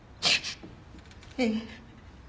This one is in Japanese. ええ。